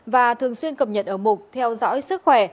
và thường xuyên cập nhật ở mục theo dõi sức khỏe